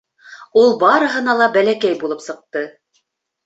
Ул барыһынан дә бәләкәй булып сыҡты.